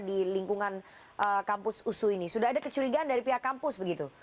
di lingkungan kampus usu ini sudah ada kecurigaan dari pihak kampus begitu